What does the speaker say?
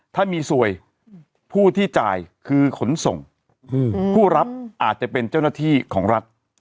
ถ้ามีสวยผู้ที่จ่ายคือขนส่งผู้รับอาจจะเป็นเจ้าหน้าที่ของรัฐ